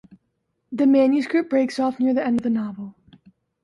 The manuscript breaks off near the end of the novel.